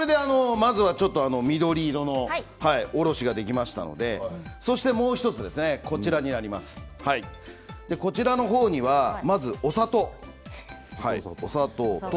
まずは緑色のおろしができましたのでもう１つ、こちらのほうにはまずお砂糖です。